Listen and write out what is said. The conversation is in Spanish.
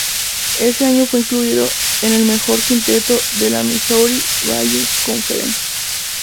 Ese año fue incluido en el mejor quinteto de la Missouri Valley Conference.